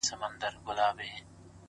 هره پرېکړه نوی مسیر جوړوي